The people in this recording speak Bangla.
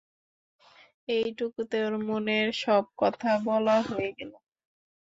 এইটুকুতে ওর মনের সব কথা বলা হয়ে গেল।